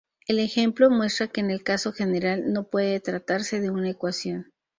El ejemplo muestra que en el caso general no puede tratarse de una ecuación.